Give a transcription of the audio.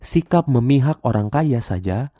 sikap memihak orang kaya saja